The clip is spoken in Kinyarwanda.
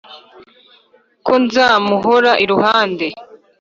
ko nzamuhora iruhande